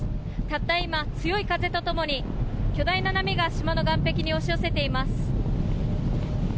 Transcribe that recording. たった今、強い風とともに巨大な波が島の岸壁に押し寄せています。